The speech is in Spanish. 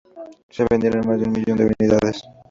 Se vendieron más de un millón de unidades.